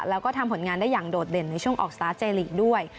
แล้วก็ทำผลงานได้อย่างโดดเด่นในช่วงออกสตาร์ทเจลีกด้วย